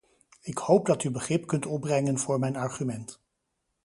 Ik hoop dat u begrip kunt opbrengen voor mijn argument.